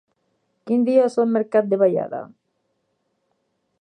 Quin dia és el mercat de Vallada?